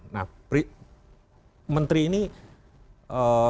nah menteri ini pembantu presiden yang dibilih oleh presiden untuk membantu membantunya